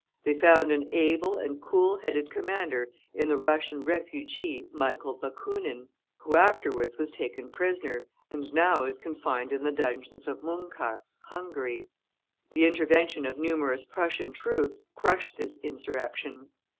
They found an able and cool headed commander in the Russian refugee Michael Bakunin, who afterwards was taken prisoner, and now is confined in the dungeons of Munkacs, Hungary. The intervention of numerous Prussian troops crushed this insurrection.